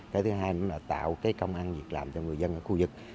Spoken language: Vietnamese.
cái thứ hai nữa là tạo cái công an việc làm cho người dân ở khu vực